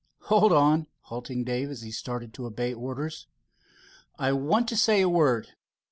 Hold on," halting Dave, as he started to obey orders. "I want to say a word.